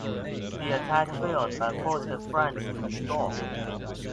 The attack failed but forced the French to withdraw.